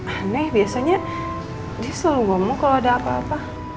aneh biasanya dia selalu ngomong kalau ada apa apa